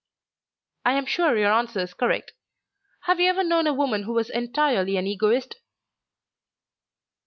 "I am sure your answer is correct. Have you ever known a woman who was entirely an Egoist?"